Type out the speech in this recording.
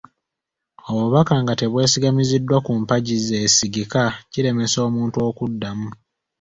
Obubaka nga tebwesigamiziddwa ku mpagi zeesigika, kiremesa omuntu okuddamu.